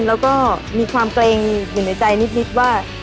แล้วก็มีความเกรงอยู่ในใจนิดว่า